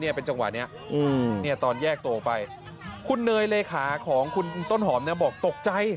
เป็นจังหวะนี้เนี่ยตอนแยกตัวไปคุณเนยเลขาของคุณต้นหอมเนี่ยบอกตกใจ